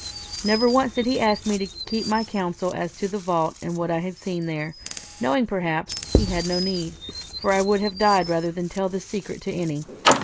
Never once did he ask me to keep my counsel as to the vault and what I had seen there, knowing, perhaps, he had no need, for I would have died rather than tell the secret to any.